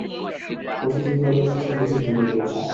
অবশ্য তিনি তাঁদের কাছ থেকে নিছক ঘৃণাই পেয়েছেন।